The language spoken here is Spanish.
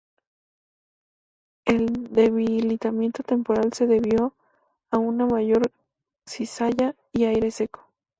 El debilitamiento temporal se debió a una mayor cizalla y aire seco.